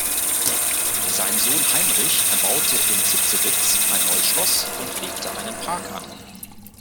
Sein Sohn Heinrich erbaute in Zitzewitz ein neues Schloss und legte einen Park an.